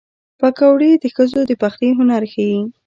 پکورې د ښځو د پخلي هنر ښيي